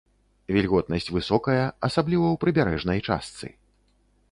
Вільготнасць высокая, асабліва ў прыбярэжнай частцы.